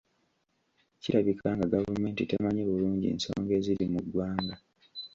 Kirabika nga gavumenti temanyi bulungi nsonga eziri mu ggwanga.